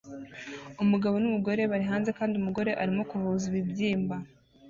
Umugabo numugore bari hanze kandi umugore arimo kuvuza ibibyimba